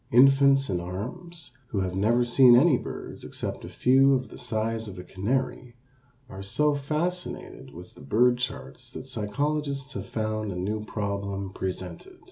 Infants in arms, who have never seen any birds except a few of the size of a canary, are so fascinated with the bird charts that psychologists have found a new problem presented.